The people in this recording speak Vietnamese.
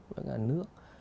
và cả nước